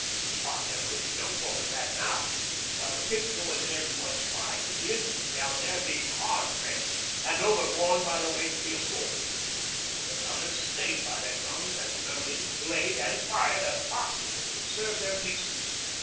But there could be no thought of that now, while the picture was in everyone's mind of the infantry out there being hard pressed and overborne by the weight of the assault. So the gunners stayed by their guns and loaded, laid, and fired as fast as they could serve their pieces.